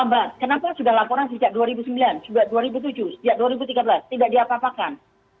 kenapa sudah laporan sejak dua ribu sembilan sejak dua ribu tujuh sejak dua ribu tiga belas tidak diapa apakan